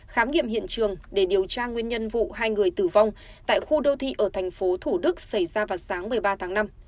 khám nghiệm hiện trường để điều tra nguyên nhân vụ hai người tử vong tại khu đô thị ở thành phố thủ đức xảy ra vào sáng một mươi ba tháng năm